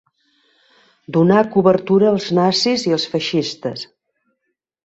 Donar cobertura als nazis i als feixistes